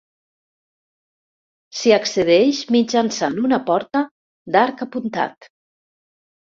S'hi accedeix mitjançant una porta d'arc apuntat.